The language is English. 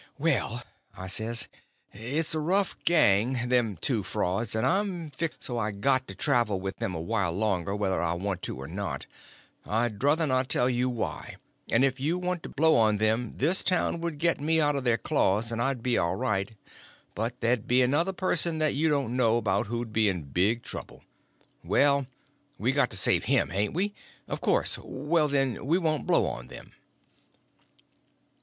"Well," I says, "it's a rough gang, them two frauds, and I'm fixed so I got to travel with them a while longer, whether I want to or not—I druther not tell you why; and if you was to blow on them this town would get me out of their claws, and I'd be all right; but there'd be another person that you don't know about who'd be in big trouble. Well, we got to save him, hain't we? Of course. Well, then, we won't blow on them."